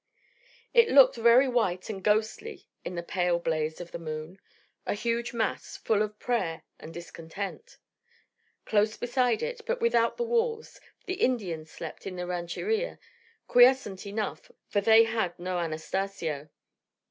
It looked very white and ghostly in the pale blaze of the moon, a huge mass, full of prayer and discontent. Close beside it, but without the walls, the Indians slept in the rancheria, quiescent enough, for they had no Anastacio.